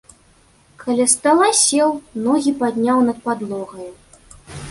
Каля стала сеў, ногі падняў над падлогаю.